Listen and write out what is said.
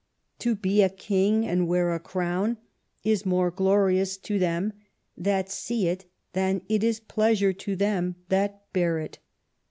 To be a King and wear a crown is more glorious to them that see it than it is pleasure to them that bear it.